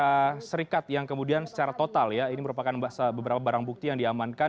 amerika serikat yang kemudian secara total ya ini merupakan beberapa barang bukti yang diamankan